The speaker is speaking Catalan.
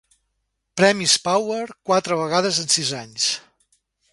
premis Power quatre vegades en sis anys.